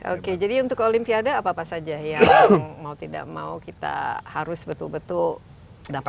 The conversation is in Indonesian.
oke jadi untuk olimpiade apa apa saja yang mau tidak mau kita harus betul betul dapat